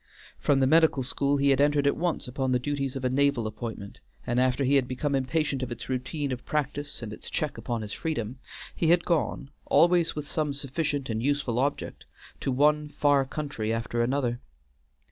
From the medical school he had entered at once upon the duties of a naval appointment, and after he had become impatient of its routine of practice and its check upon his freedom, he had gone, always with some sufficient and useful object, to one far country after another.